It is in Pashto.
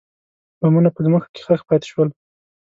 بمونه په ځمکه کې ښخ پاتې شول.